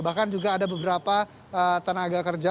bahkan juga ada beberapa tenaga kerja